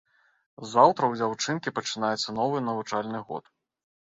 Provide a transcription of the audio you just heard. Заўтра ў дзяўчынкі пачынаецца новы навучальны год.